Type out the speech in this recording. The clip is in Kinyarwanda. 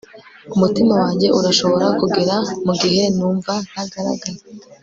umutima wanjye urashobora kugera, mugihe numva ntagaragara